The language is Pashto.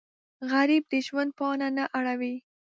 غریب د ژوند پاڼه نه اړوي